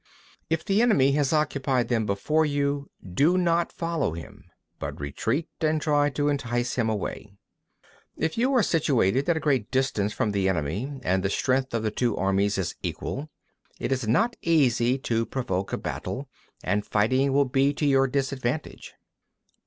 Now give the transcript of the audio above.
11. If the enemy has occupied them before you, do not follow him, but retreat and try to entice him away. 12. If you are situated at a great distance from the enemy, and the strength of the two armies is equal, it is not easy to provoke a battle, and fighting will be to your disadvantage.